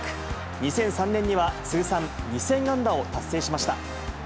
２００３年には通算２０００安打を達成しました。